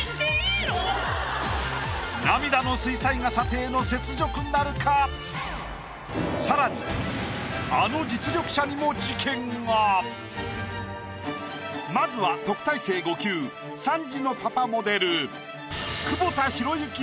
涙の更にあの実力者にもまずは特待生５級３児のパパモデル。